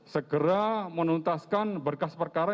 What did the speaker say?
segera menuntaskan berkas perkara